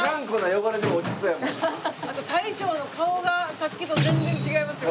あと大将の顔がさっきと全然違いますよ。